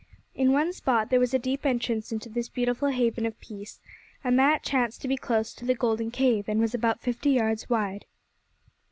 In one spot there was a deep entrance into this beautiful haven of peace, and that chanced to be close to the golden cave, and was about fifty yards wide.